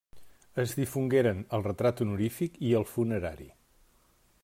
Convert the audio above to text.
Es difongueren el retrat honorífic i el funerari.